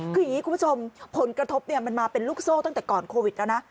คืออย่างนี้คุณผู้ชมผลกระทบมันมาเป็นลูกโซ่ตั้งแต่ก่อนโควิดแล้วนะ